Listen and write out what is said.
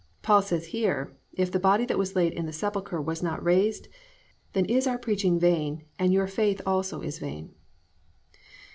Paul says here, _if the body that was laid in the sepulchre was not raised, "then is our preaching vain" and your "faith also is vain."